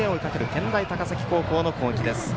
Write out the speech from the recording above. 健大高崎高校の攻撃です。